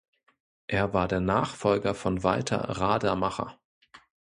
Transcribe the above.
Er war der Nachfolger von Walter Radermacher.